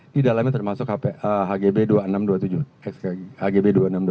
di dalamnya termasuk hgb dua ribu enam ratus dua puluh tujuh